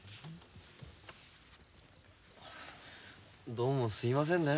どうもすいませんね。